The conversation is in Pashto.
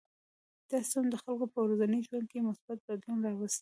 دا سیستم د خلکو په ورځني ژوند کې مثبت بدلون راوستی.